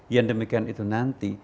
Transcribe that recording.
yang demikian itu nanti